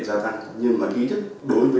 gia tăng nhưng mà ý thức đối với